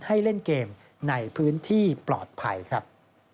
ให้เล่นเกมในพื้นที่ปลอดภัยครับ